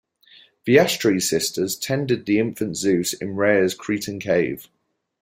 The ash-tree sisters tended the infant Zeus in Rhea's Cretan cave.